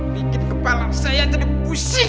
bikin kepala saya jadi pusing